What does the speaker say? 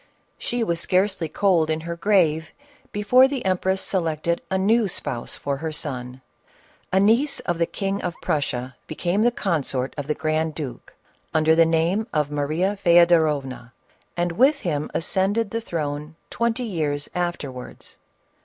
She was scarcely cold in her grave, before the em press selected a new spouse for her son. A niece of the King of Prussia became the consort of the grand duke, under the name of Maria Feodorovna, and with him ascended the throne twenty years afterwards.